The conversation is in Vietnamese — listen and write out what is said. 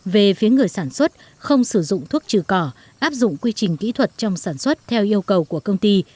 về phía người sản xuất không sử dụng thuốc trừ cỏ áp dụng quy trình kỹ thuật trong sản xuất theo yêu cầu của công ty